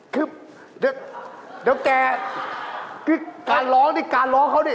คือเดี๋ยวแกการร้องเขาดิ